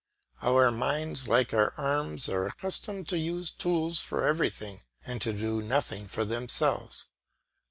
Our minds like our arms are accustomed to use tools for everything, and to do nothing for themselves.